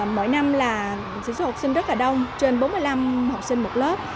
mỗi năm là sỉ số học sinh rất đông trên bốn mươi năm học sinh một lớp